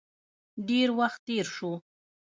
ډیر وخت تیر شو.